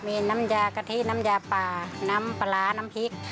มีน้ำยากะทิน้ำยาปลาน้ำปลาร้าน้ำพริก